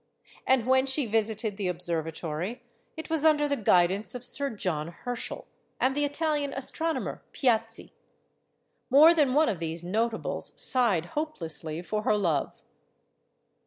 And when she visited the observatory, it was under the guidance of Sir John Herschel and the Italian astronomer Piazzi. More than one of these notables sighed hopelessly for her love.